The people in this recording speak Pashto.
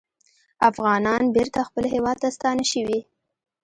افغانان بېرته خپل هیواد ته ستانه شوي